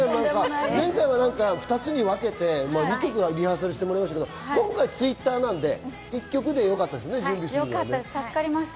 前回は２つに分けて、リハーサルしてもらえましたけれども今回Ｔｗｉｔｔｅｒなので１助かりました。